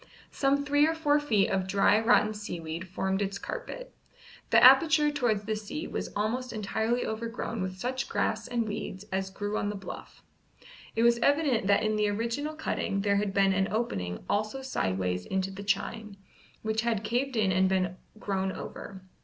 Some three or four feet of dry rotten seaweed formed its carpet. The aperture towards the sea was almost entirely overgrown with such grass and weeds as grew on the bluff. It was evident that in the original cutting there had been an opening also sideways into the chine, which had caved in and been grown over.